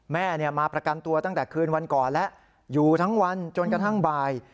แม่มาประกันตัวตั้งแต่คืนวันก่อนแล้วอยู่ทั้งวันจนกระทั่งบ่าย